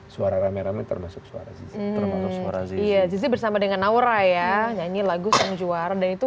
suara rame rame termasuk suara terbang suara zizi bersama dengan aura ya nyanyi lagu sang juara itu